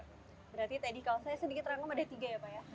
berarti tadi kalau saya sedikit rangkum ada tiga ya pak ya